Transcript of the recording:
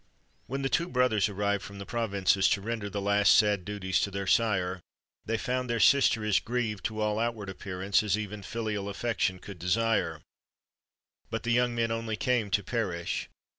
When the two brothers arrived from the provinces to render the last sad duties to their sire, they found their sister as grieved, to all outward appearance, as even filial affection could desire: but the young men only came to perish.